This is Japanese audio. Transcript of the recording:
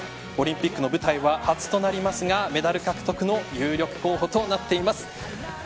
オリンピックの舞台は初となりますがメダル獲得の有力候補となっています。